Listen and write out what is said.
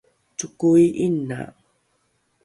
cokoi ’ina